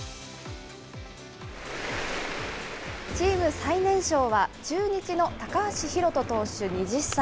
チーム最年少は、中日の高橋宏斗投手２０歳。